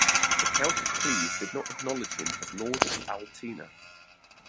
The Count of Kleve did not acknowledge him as Lord of Altena.